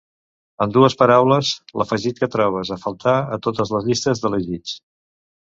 En dues paraules, l'afegit que trobes a faltar a totes les llistes d'elegits.